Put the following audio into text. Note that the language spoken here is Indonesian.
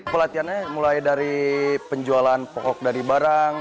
pelatihannya mulai dari penjualan pokok dari barang